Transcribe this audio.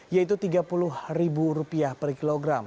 yaitu rp tiga puluh per kilogram